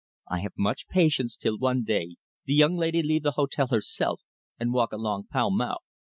I have much patience till one day the young lady leave the hotel herself and walk along Pall Mall.